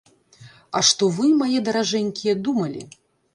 А што вы, мае даражэнькія, думалі!